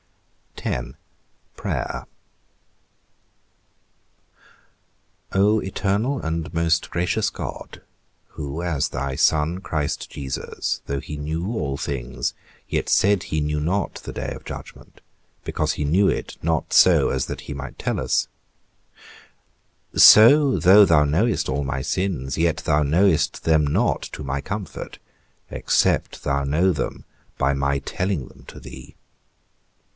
X. PRAYER. O eternal and most gracious God, who as thy Son Christ Jesus, though he knew all things, yet said he knew not the day of judgment, because he knew it not so as that he might tell us; so though thou knowest all my sins, yet thou knowest them not to my comfort, except thou know them by my telling them to thee.